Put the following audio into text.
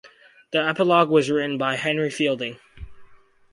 The epilogue was written by Henry Fielding.